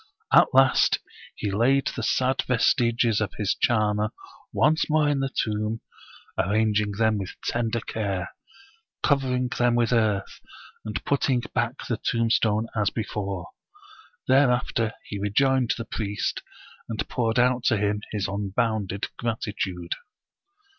At last he laid the sad vestiges of his charmer once more in the tomb, arranging them with ten der care, covering them with earth, and putting back the tombstone as before. Thereafter he rejoined the priest, and poured out to him his unbounded gratitude.